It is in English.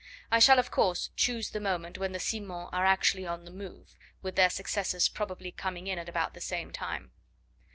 I shall, of course choose the moment when the Simons are actually on the move, with their successors probably coming in at about the same time.